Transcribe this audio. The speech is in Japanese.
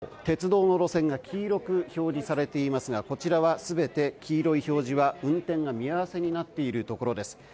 このように関東地方、東北地方鉄道の路線が黄色く表示されていますがこちらは全て黄色い表示は運転が見合わせになっているところです。